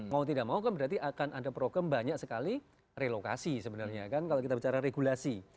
mau tidak mau kan berarti akan ada program banyak sekali relokasi sebenarnya kan kalau kita bicara regulasi